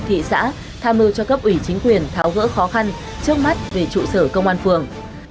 thị xã tham mưu cho cấp ủy chính quyền tháo gỡ khó khăn trước mắt về trụ sở công an phường